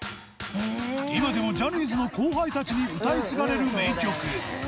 今でもジャニーズの後輩たちに歌い継がれる名曲。